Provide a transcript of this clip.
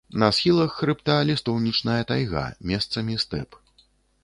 На схілах хрыбта лістоўнічная тайга, месцамі стэп.